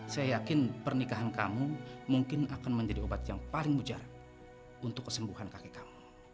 saya yakin pernikahan kamu mungkin akan menjadi obat yang paling mujara untuk kesembuhan kaki kamu